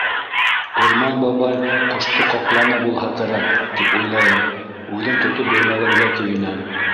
«Урман бабай ҡошто ҡапланы булһа кәрәк» тип уйлайым, үҙем тотоп бирмәгәнгә көйөнәм.